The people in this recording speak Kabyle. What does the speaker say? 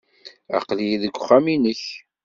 Aql-iyi deg uxxam-nnek.